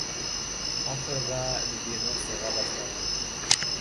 Ахырҙа Бибинур сыға башланы